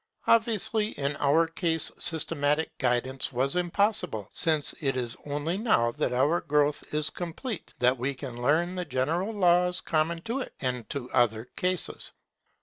Obviously in our case systematic guidance was impossible, since it is only now that our growth is complete that we can learn the general laws common to it and to other cases.